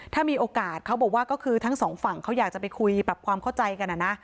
ถ้ามีโอกาสเขาบอกว่าก็คือทั้งสองฝั่งเขาอยากจะไปคุยปรับความเข้าใจกันนะ